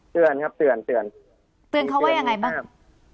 เตือนครับเตือนเตือนเตือนเขาว่ายังไงบ้าง